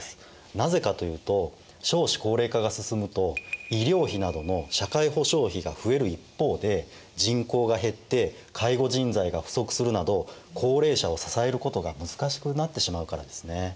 なぜかというと少子高齢化が進むと医療費などの社会保障費が増える一方で人口が減って介護人材が不足するなど高齢者を支えることが難しくなってしまうからですね。